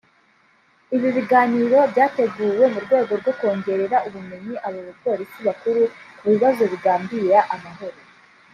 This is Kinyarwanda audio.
Ibi biganiro byateguwe mu rwego rwo kongerera ubumenyi aba bapolisi bakuru ku bibazo bibangamira amahoro